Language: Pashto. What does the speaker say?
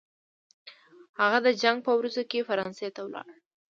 هغه د جنګ په ورځو کې فرانسې ته ولاړ.